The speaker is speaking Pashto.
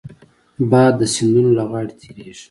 باد د سیندونو له غاړې تېرېږي